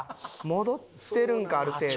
戻ってるんかある程度。